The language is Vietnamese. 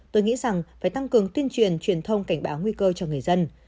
tôi nghĩ rằng phải tăng cường tuyên truyền truyền thông cảnh báo nguy cơ cho người dân